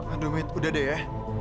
aduh menit udah deh ya